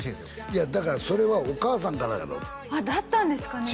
いやだからそれはお母さんからやろ？だったんですかね？